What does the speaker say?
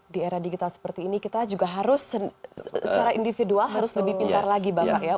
di era digital seperti ini kita juga harus secara individual harus lebih pintar lagi bapak ya